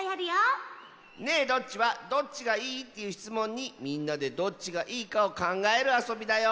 「ねえどっち？」は「どっちがいい？」というしつもんにみんなでどっちがいいかをかんがえるあそびだよ！